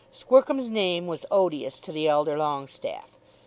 Squercum's name was odious to the elder Longestaffe.